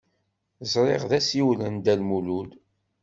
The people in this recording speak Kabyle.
Ẓriɣ d asiwel n Dda Lmulud.